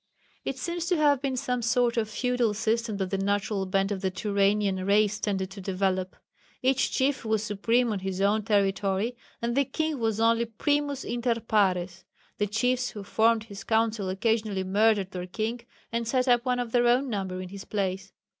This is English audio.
It seems to have been some sort of feudal system that the natural bent of the Turanian race tended to develop. Each chief was supreme on his own territory, and the king was only primus inter pares. The chiefs who formed his council occasionally murdered their king and set up one of their own number in his place.